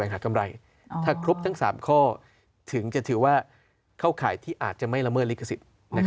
หากำไรถ้าครบทั้ง๓ข้อถึงจะถือว่าเข้าข่ายที่อาจจะไม่ละเมิดลิขสิทธิ์